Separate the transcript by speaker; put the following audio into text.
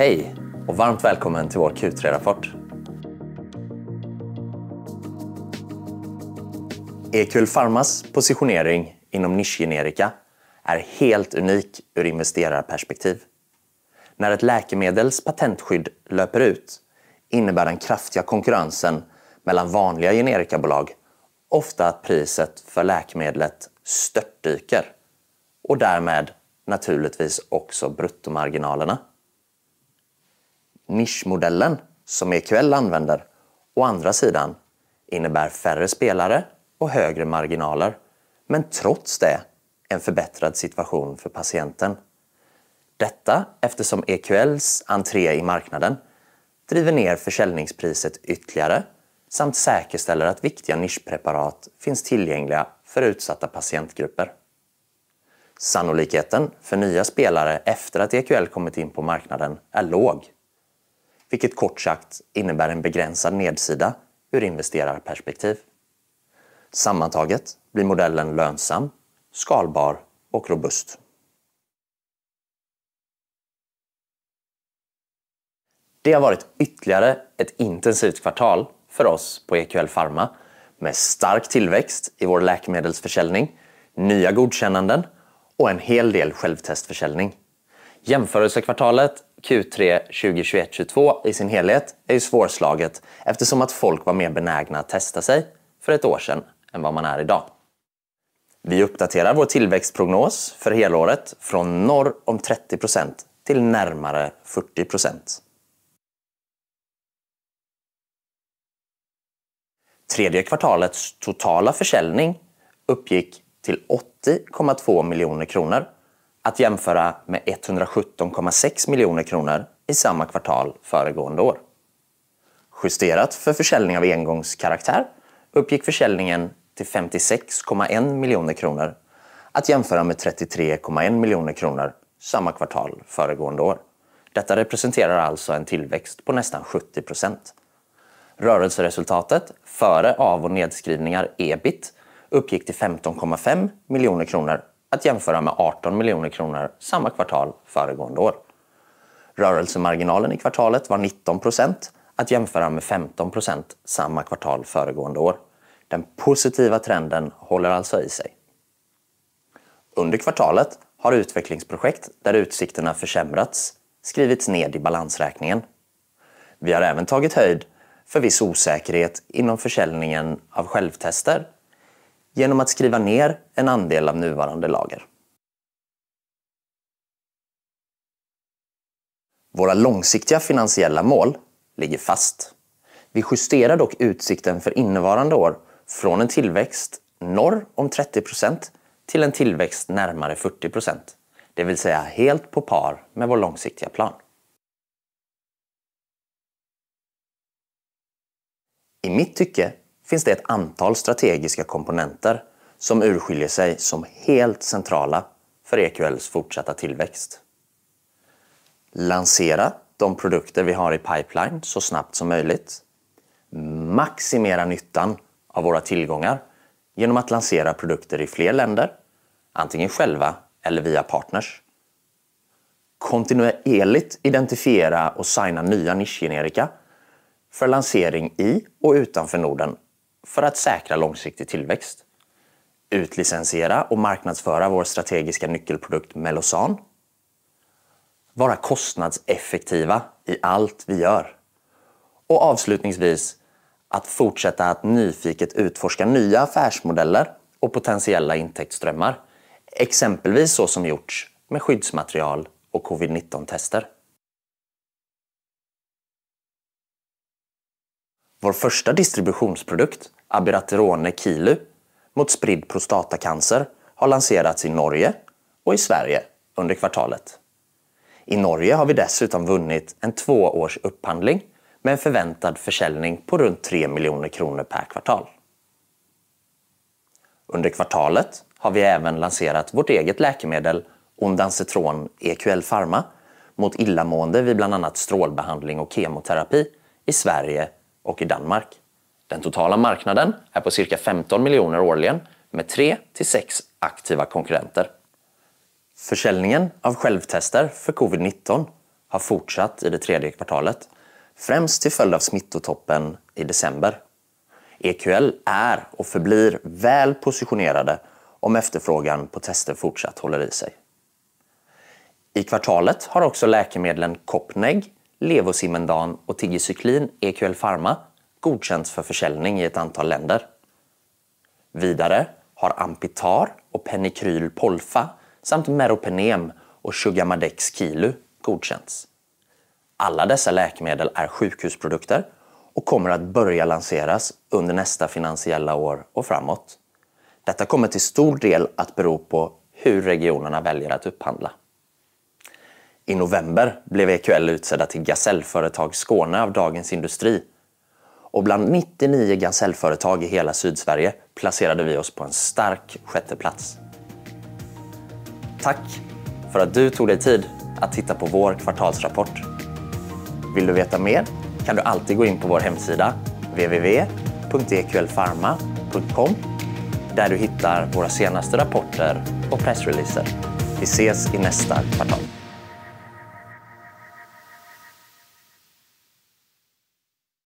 Speaker 1: Hej och varmt välkommen till vår Q3-rapport. EQL Pharmas positionering inom nischgenerika är helt unik ur investerarperspektiv. När ett läkemedels patentskydd löper ut innebär den kraftiga konkurrensen mellan vanliga generikabolag ofta att priset för läkemedlet störtdyker och därmed naturligtvis också bruttomarginalerna. Nischmodellen som EQL använder å andra sidan innebär färre spelare och högre marginaler, trots det en förbättrad situation för patienten. Detta eftersom EQL:s entré i marknaden driver ner försäljningspriset ytterligare samt säkerställer att viktiga nischpreparat finns tillgängliga för utsatta patientgrupper. Sannolikheten för nya spelare efter att EQL kommit in på marknaden är låg, vilket kort sagt innebär en begränsad nedsida ur investerarperspektiv. Sammantaget blir modellen lönsam, skalbar och robust. Det har varit ytterligare ett intensivt kvartal för oss på EQL Pharma med stark tillväxt i vår läkemedelsförsäljning, nya godkännanden och en hel del självtestförsäljning. Jämförelsekvartalet Q3 2021/22 i sin helhet är ju svårslaget eftersom att folk var mer benägna att testa sig för ett år sedan än vad man är i dag. Vi uppdaterar vår tillväxtprognos för helåret från norr om 30% till närmare 40%. Third quarter's totala försäljning uppgick till 80.2 million kronor att jämföra med 117.6 million kronor i samma kvartal föregående år. Justerat för försäljning av engångskaraktär uppgick försäljningen till 56.1 million kronor att jämföra med 33.1 million kronor samma kvartal föregående år. Detta representerar alltså en tillväxt på nästan 70%. Rörelseresultatet före av- och nedskrivningar EBIT uppgick till 15.5 million kronor att jämföra med 18 million kronor samma kvartal föregående år. Rörelsemarginalen i kvartalet var 19% att jämföra med 15% samma kvartal föregående år. Den positiva trenden håller alltså i sig. Under kvartalet har utvecklingsprojekt där utsikterna försämrats skrivits ned i balansräkningen. Vi har även tagit höjd för viss osäkerhet inom försäljningen av självtester genom att skriva ner en andel av nuvarande lager. Våra långsiktiga finansiella mål ligger fast. Vi justerar dock utsikten för innevarande år från en tillväxt norr om 30% till en tillväxt närmare 40%. Det vill säga helt på par med vår långsiktiga plan. I mitt tycke finns det ett antal strategiska komponenter som urskiljer sig som helt centrala för EQLs fortsatta tillväxt. Lansera de produkter vi har i pipeline så snabbt som möjligt. Maximera nyttan av våra tillgångar genom att lansera produkter i fler länder, antingen själva eller via partners. Kontinuerligt identifiera och signa nya nischgenerika för lansering i och utanför Norden för att säkra långsiktig tillväxt. Utlicensiera och marknadsföra vår strategiska nyckelprodukt Mellozzan. Vara kostnadseffektiva i allt vi gör. Avslutningsvis att fortsätta att nyfiket utforska nya affärsmodeller och potentiella intäktströmmar, exempelvis så som gjorts med skyddsmaterial och COVID-19-tester. Vår första distributionsprodukt Abiraterone Qilu mot spridd prostatacancer har lanserats i Norge och i Sverige under kvartalet. I Norge har vi dessutom vunnit en 2 years upphandling med en förväntad försäljning på runt 3 million kronor per kvartal. Under kvartalet har vi även lanserat vårt eget läkemedel Ondansetron EQL Pharma mot illamående vid bland annat strålbehandling och kemoterapi i Sverige och i Danmark. Den totala marknaden är på cirka 15 million SEK årligen med three to six aktiva konkurrenter. Försäljningen av självtester för COVID-19 har fortsatt i det tredje kvartalet, främst till följd av smittotoppen i december. EQL är och förblir väl positionerade om efterfrågan på tester fortsatt håller i sig. I kvartalet har också läkemedlen Copneg, Levosimendan och Tigecyclin EQL Pharma godkänts för försäljning i ett antal länder. Vidare har Ampitar och Penicillin V Polfa samt Meropenem och Sugammadex Kabi godkänts. Alla dessa läkemedel är sjukhusprodukter och kommer att börja lanseras under nästa finansiella år och framåt. Detta kommer till stor del att bero på hur regionerna väljer att upphandla. I november blev EQL utsedda till Gasellföretag Skåne av Dagens Industri och bland 99 Gasellföretag i hela Sydsverige placerade vi oss på en stark 6th plats. Tack för att du tog dig tid att titta på vår kvartalsrapport. Vill du veta mer kan du alltid gå in på vår hemsida www.eqlpharma.com där du hittar våra senaste rapporter och pressreleaser. Vi ses i nästa kvartal.